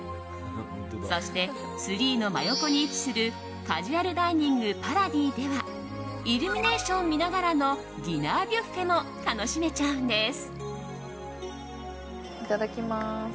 そしてツリーの真横に位置するカジュアルダイニングパラディではイルミネーションを見ながらのディナービュッフェも楽しめちゃうんです。